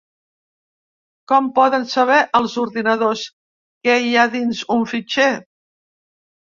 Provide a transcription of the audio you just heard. Com poden saber els ordinadors què hi ha dins un fitxer?